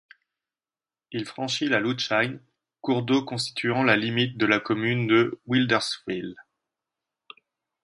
Il franchit la Lütschine, cours d'eau constituant la limite de la commune de Wilderswil.